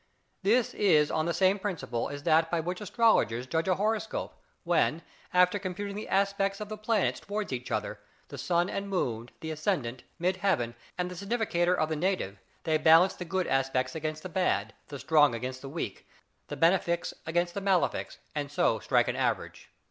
This is on the same principle as that by which astrologers judge a horoscope, when, after computing the aspects of the planets towards each other, the Sun and Moon, the Ascendant, Mid heaven, and the significator of the Native, they balance the good aspects against the bad, the strong against the weak, the Benefics against the Malefics, and so strike an average.